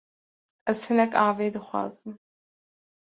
Ez hinek avê dixazim.